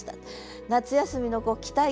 夏休みの期待感